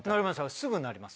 すぐなります。